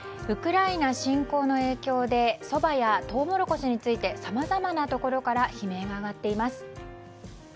ウクライナ侵攻の影響でそばやトウモロコシについてさまざまなところから悲鳴が上がっています。